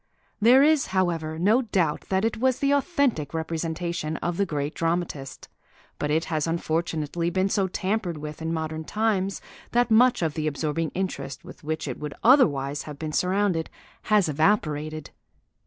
There is, however, no doubt that it was an authentic representation of the great dramatist, but it has unfortunately been so tampered with in modern times that much of the absorbing interest with which it would otherwise have been surrounded has evaporated.